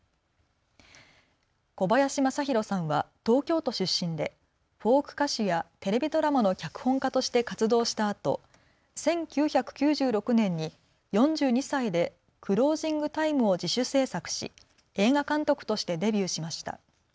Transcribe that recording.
小林政広さんは東京都出身でフォーク歌手やテレビドラマの脚本家として活動したあと１９９６年に４２歳でＣＬＯＳＩＮＧＴＩＭＥを自主製作し映画監督としてデビューしました。